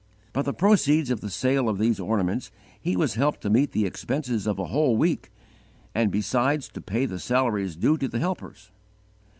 By the proceeds of the sale of these ornaments he was helped to meet the expenses of a whole week, and besides to pay the salaries due to the helpers.